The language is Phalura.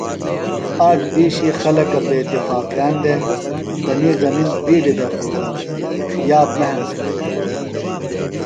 آک دِیشیۡ خلکہ بےاتفاقہ دےۡ۔ تنی زمِن بِیڈیۡ دے خو بہ یاب نہ ہنسِلیۡ دےۡ۔